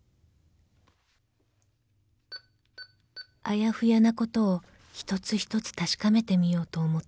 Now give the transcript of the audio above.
［あやふやなことを一つ一つ確かめてみようと思った］